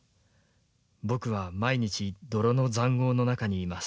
僕は毎日泥の塹壕の中にいます。